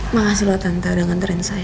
makasih lo tante udah nganterin saya